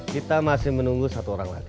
kita masih menunggu satu orang lagi